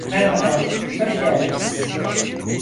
Merhaba, hoş geldiniz.